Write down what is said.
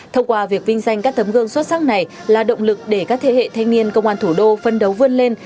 thông qua việc vinh danh các tấm gương xuất sắc này là động lực để các thế hệ thanh niên công an thủ đô phân đấu vươn lên